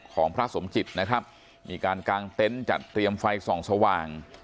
ของพระสมจิตมีการกางเตนท์จัดเตรียมฟังสว่าง